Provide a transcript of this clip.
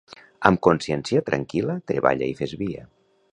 Amb consciència tranquil·la, treballa i fes via.